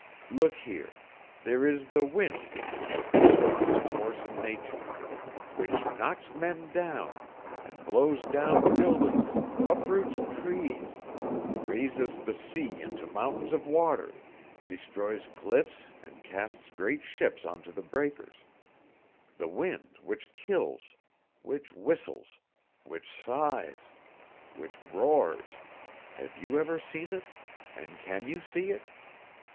Look here; there is the wind, which is the strongest force in nature, which knocks down men, and blows down buildings, uproots trees, raises the sea into mountains of water, destroys cliffs and casts great ships onto the breakers; the wind which kills, which whistles, which sighs, which roars have you ever seen it, and can you see it?